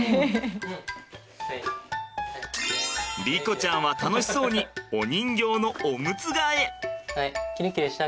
莉子ちゃんは楽しそうにお人形のオムツ替え。